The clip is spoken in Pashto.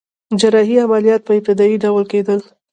جراحي عملیات په ابتدایی ډول کیدل